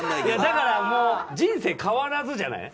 だから人生変わらずじゃない？